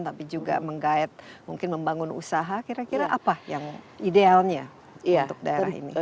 tapi juga menggayat mungkin membangun usaha kira kira apa yang idealnya untuk daerah ini